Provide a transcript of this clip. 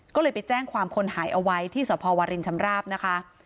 ก็เลยไปแจ้งความคนหายเอาไว้ที่สพวรินชำราบนะคะ